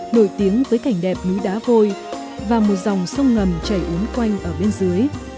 nổi tiếng với cảnh đẹp núi đá vôi và một dòng sông ngầm chảy uốn quanh ở bên dưới